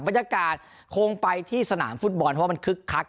บรรยากาศคงไปที่สนามฟุตบอลเพราะว่ามันคึกคัก